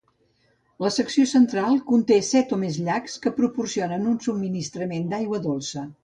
La secció central conté set o més llacs, que proporcionen un subministrament d'aigua dolça.